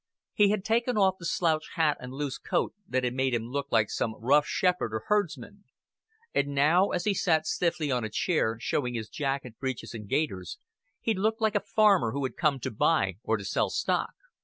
He had taken off the slouch hat and loose coat that had made him look like some rough shepherd or herdsman; and now, as he sat stiffly on a chair, showing his jacket, breeches, and gaiters, he looked like a farmer who had come to buy or to sell stock.